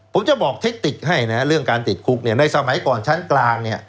ผมจะบอกเทคติกให้นะเรื่องการติดคุกในสมัยก่อนชั้นกลาง